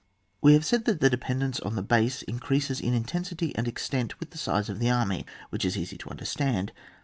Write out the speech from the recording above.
We have said that the dependence on the base increases in intensity and extent with the size of the army, which is easy to understand.